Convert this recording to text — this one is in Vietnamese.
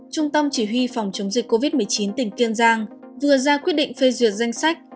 trung tâm chỉ huy phòng chống dịch covid một mươi chín tỉnh kiên giang vừa ra quyết định phê duyệt danh sách